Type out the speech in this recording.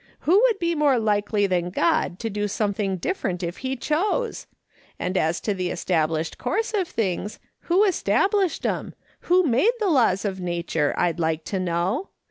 Who would be more likely than God to do something different if he chose ? And as to the established course of things, who established 'em ; who made the laws of nature, I'd like to know?